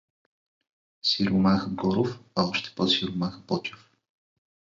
Сиромах Горов, а още по сиромах Ботйов!